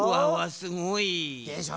すごい。でしょ？